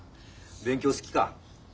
勉強好きか？